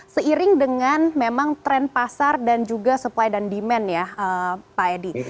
seiring dengan memang tren pasar dan juga supply dan demand ya pak edi